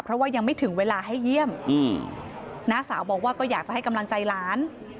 เพราะว่ายังไม่ถึงเวลาให้เยี่ยมน้าสาวบอกว่าก็อยากจะให้กำลังใจหลาน